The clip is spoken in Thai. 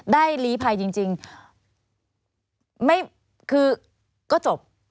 ได้หลีภัยจริงคือก็จบ